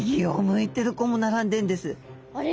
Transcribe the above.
あれ？